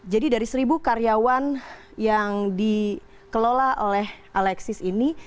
jadi dari seribu karyawan yang dikelola oleh alexis ini